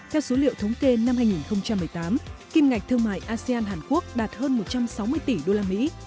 theo số liệu thống kê năm hai nghìn một mươi tám kim ngạch thương mại asean hàn quốc đạt hơn một trăm sáu mươi tỷ usd